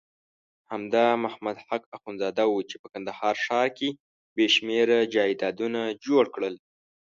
همدا محمد حق اخندزاده وو چې په کندهار ښار کې بېشمېره جایدادونه جوړ کړل.